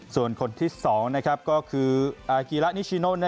ส่วนคนที่๒ก็คืออากีระนิชิโน